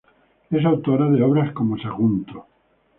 Es autora de obras como "Sagunto.